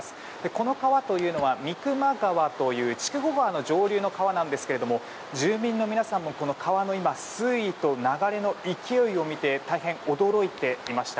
この川というのはミクマ川という筑後川の上流の川なんですが住民の皆さんも川の水位と流れの勢いを見て大変驚いていました。